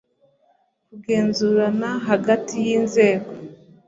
kugenzurana hagati y inzego